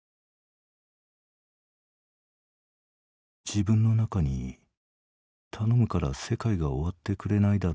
「自分の中に頼むから世界が終わってくれないだろうか。